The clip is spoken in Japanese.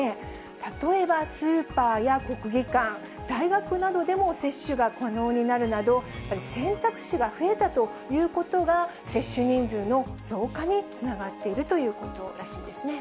例えばスーパーや国技館、大学などでも接種が可能になるなど、選択肢が増えたということが、接種人数の増加につながっているということらしいんですね。